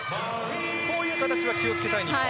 こういう形は気を付けたい日本。